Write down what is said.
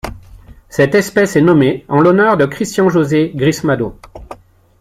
Cette espèce est nommée en l'honneur de Cristian José Grismado.